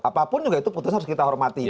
apapun juga itu putus harus kita hormati